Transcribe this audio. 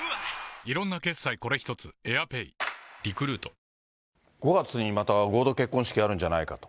フラミンゴ５月にまた合同結婚式あるんじゃないかと。